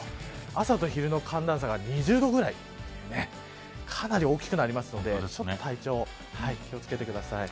朝と昼の寒暖差が２０度ぐらいかなり大きくなりますので体調に気を付けてください。